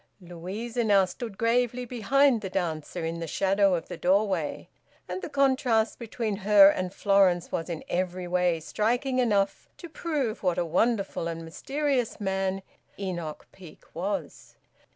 Louisa now stood gravely behind the dancer, in the shadow of the doorway, and the contrast between her and Florence was in every way striking enough to prove what a wonderful and mysterious man Enoch Peake was.